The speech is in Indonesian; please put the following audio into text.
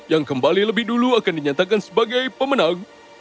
yang kembali lebih dulu akan dinyatakan sebagai pemenang